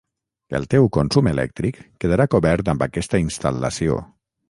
el teu consum elèctric quedarà cobert amb aquesta instal·lació